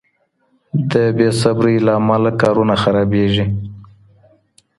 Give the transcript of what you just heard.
د بې صبرۍ له امله کارونه خرابیږي.